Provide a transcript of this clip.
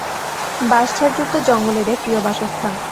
বাঁশঝাড় যুক্ত জঙ্গল এদের প্রিয় বাসস্থান।